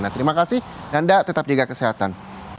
terima kasih nanda tetap jaga kesehatan